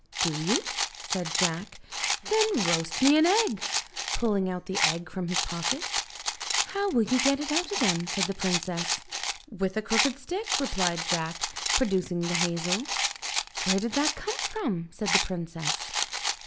"Do you?" said Jack, "then roast me an egg," pulling out the egg from his pocket. "How will you get it out again?" said the princess. "With a crooked stick," replied Jack, producing the hazel. "Where did that come from?" said the princess.